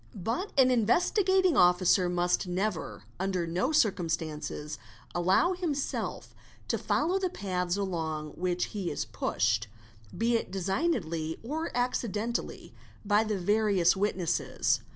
But an Investigat a4 gegen etna te np REPENS ooo ing Officer must never and under no circumstances allow himself to follow the paths along which he is pushed, be it designedly or accidentally, by the various witnesses.